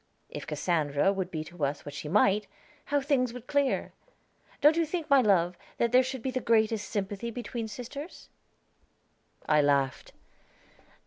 If Cassandra would be to us what she might, how things would clear! Don't you think, my love, that there should be the greatest sympathy between sisters?" I laughed.